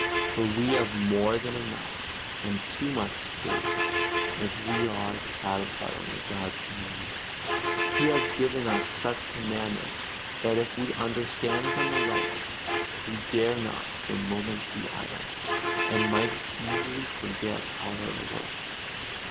For we have more than enough and too much to do, if we are to satisfy only God's commandments. He has given us such commandments that if we understand them aright, we dare not for a moment be idle, and might easily forget all other works.